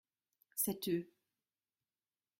C’est eux.